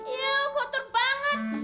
iu kotor banget